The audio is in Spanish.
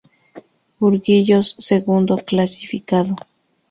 Burguillos, segundo clasificado.